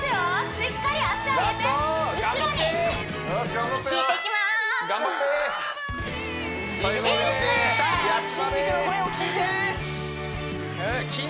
しっかり脚上げて後ろに引いていきますいいですね！